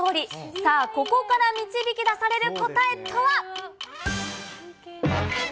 さあ、ここから導き出される答えとは。